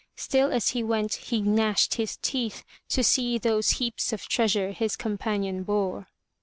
Still as he went he gnashed his teeth to see those heaps of treasure his companion bore.